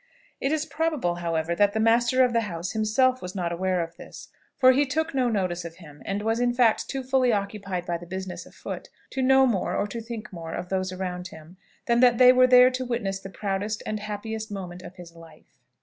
It is probable, however, that the master of the house himself was not aware of this; for he took no notice of him, and was in fact too fully occupied by the business afoot to know more or to think more of those around him than that they were there to witness the proudest and happiest moment of his life.